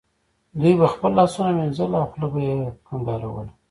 دوی به خپل لاسونه وینځل او خوله به یې کنګالوله.